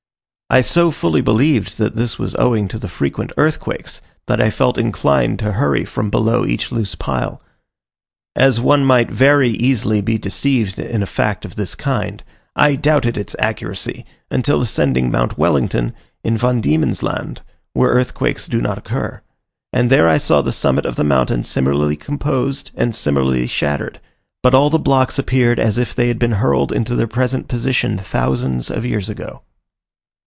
I so fully believed that this was owing to the frequent earthquakes, that I felt inclined to hurry from below each loose pile. As one might very easily be deceived in a fact of this kind, I doubted its accuracy, until ascending Mount Wellington, in Van Diemen's Land, where earthquakes do not occur; and there I saw the summit of the mountain similarly composed and similarly shattered, but all the blocks appeared as if they had been hurled into their present position thousands of years ago.